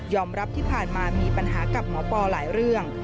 รับที่ผ่านมามีปัญหากับหมอปอหลายเรื่อง